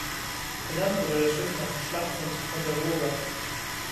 Benannt wurde das Schiff nach der Schlacht von Ticonderoga.